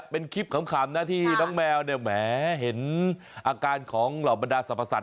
เป็นคลิปขำที่น้องแมวเห็นอาการของหล่อบรรดาสรรพสัตว์